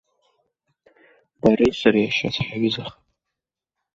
Бареи сареи ашьац ҳаҩызахап.